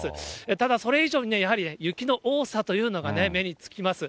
ただ、それ以上にやはり雪の多さというのがね、目につきます。